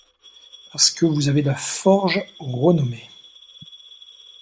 Parce que vous avez la forge aux renommées